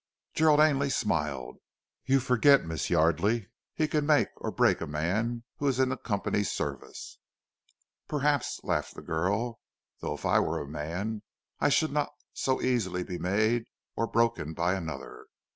Gerald Ainley smiled. "You forget, Miss Yardely, he can make or break a man who is in the Company's service." "Perhaps!" laughed the girl. "Though if I were a man I should not so easily be made or broken by another.